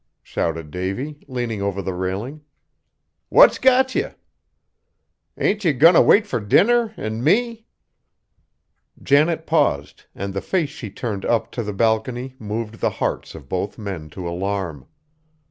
shouted Davy, leaning over the railing. "What's got ye? Ain't ye goin' t' wait fur dinner an' me?" Janet paused, and the face she turned up to the balcony moved the hearts of both men to alarm.